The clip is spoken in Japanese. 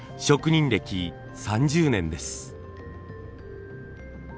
職人歴３０年です。